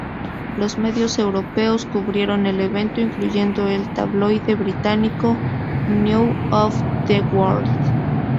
Los medios europeos cubrieron el evento, incluyendo el tabloide británico News of the World.